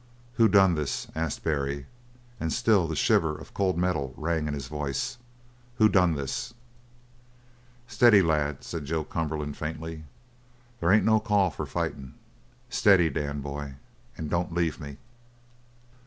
"Who done this?" asked Barry, and still the shiver of cold metal rang in his voice. "Who's done this?" "Steady, lad," said Joe Cumberland faintly. "They ain't no call for fightin'. Steady, Dan, boy. An' don't leave me!"